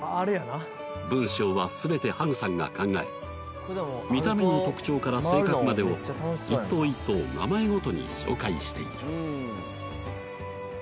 文章は全てはぐさんが考え見た目の特徴から性格までを一頭一頭名前ごとに紹介している